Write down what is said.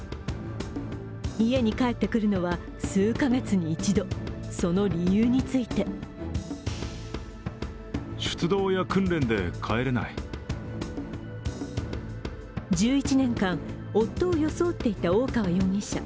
家に帰ってくるのは、数カ月に一度その理由について１１年間、夫を装っていた大川容疑者。